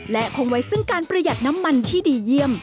และคงไว้ซึ่งการประหยัดน้ำมันที่ดีเยี่ยม